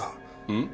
ん？